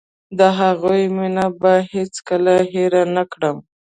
د هغوی مينه به هېڅ کله هېره نکړم.